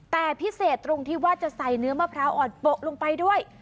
แต่พิเศษตรงที่ว่าจะใส่เนื้อมะพร้าวอ่อนโปะลงไปด้วย